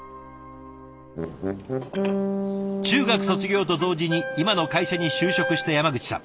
中学卒業と同時に今の会社に就職した山口さん。